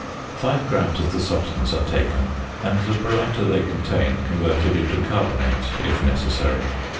Five grams of the substance are taken, and the baryta they contain converted into carbonate (if necessary).